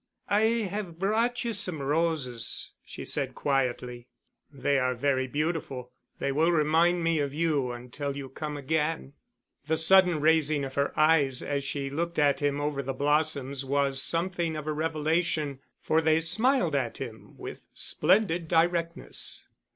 "I have brought you some roses," she said quietly. "They are very beautiful. They will remind me of you until you come again." The sudden raising of her eyes as she looked at him over the blossoms was something of a revelation, for they smiled at him with splendid directness.